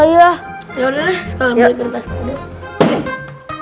yaudah sekarang beli kertas kado